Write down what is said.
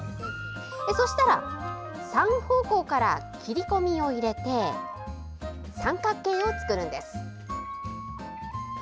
そうしたら、３方向から切れ込みを入れて三角形を作るんです。